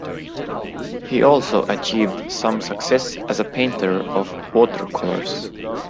He also achieved some success as a painter of watercolours.